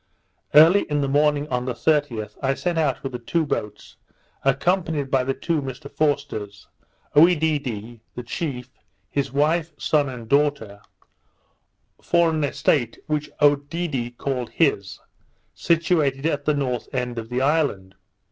Early in the morning of the 30th, I set out with the two boats, accompanied by the two Mr Forsters; Oedidee, the chief, his wife, son, and daughter, for an estate which Oedidee called his, situated at the north end of the island.